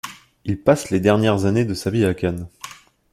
Il passe les dernières années de sa vie à Cannes.